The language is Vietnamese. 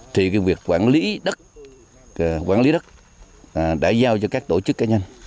thì việc quản lý đất đã giao cho các tổ chức cá nhân